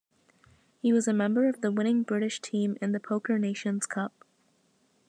He was a member of the winning British team in the Poker Nations Cup.